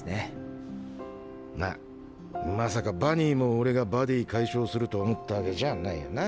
まさかバニーも俺がバディ解消すると思ったわけじゃないよな？